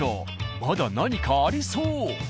まだ何かありそう。